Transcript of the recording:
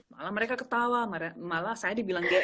malah mereka ketawa malah saya dibilang